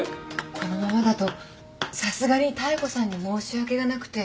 このままだとさすがに妙子さんに申し訳がなくて。